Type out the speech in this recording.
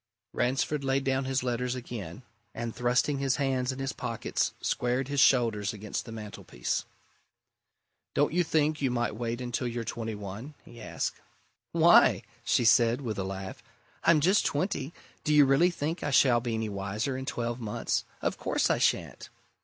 Ransford laid down his letters again, and thrusting his hands in his pockets, squared his shoulders against the mantelpiece. "Don't you think you might wait until you're twenty one?" he asked. "Why?" she said, with a laugh. "I'm just twenty do you really think I shall be any wiser in twelve months? Of course I shan't!"